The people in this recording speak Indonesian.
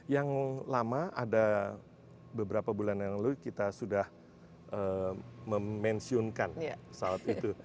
yang lama ada beberapa bulan yang lalu kita sudah memensiunkan pesawat itu